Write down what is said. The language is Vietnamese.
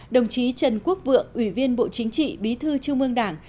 đồng chí trần quốc vượng ủy viên bộ chính trị bí thư trung ương đảng